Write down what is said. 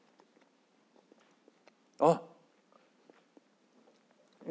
あっ。